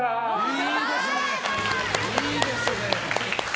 いいですね。